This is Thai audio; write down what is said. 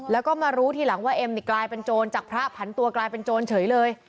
แล้วก็มารู้ทีหลังว่าเอ็มนี่กลายเป็นโจรจากพระผันตัวกลายเป็นโจรเฉยเลย